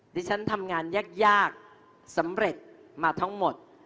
ที่ฉันทำงานยากสำเร็จมาทั้งหมด